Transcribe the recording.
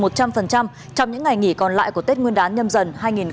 trong những ngày nghỉ còn lại của tết nguyên đán nhâm dần hai nghìn hai mươi